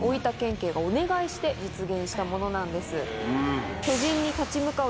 警がお願いして実現したものなんです。